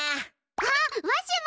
あっわしも！